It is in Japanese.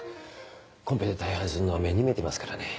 コンペで大敗するのは目に見えてますからね。